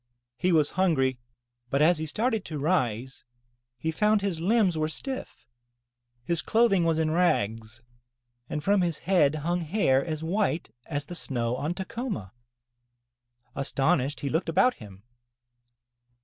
He was hungry but as he started to rise, he found his limbs were stiff, his clothing was in rags and from his head hung hair as white as the snow on Tacoma. Astonished, he looked about him.